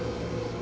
あ。